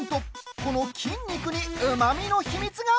この筋肉にうまみの秘密が。